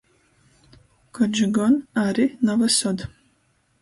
Koč gon ari na vysod.